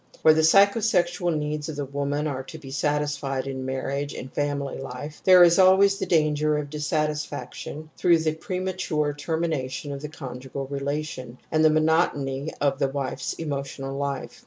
Where the psycho sexual needs of the woman are to be satisfied in marriage and family life, there is always the danger of dissatisfaction through the premature termination of the conjugal relation, and the monotony in the wife's emotional life.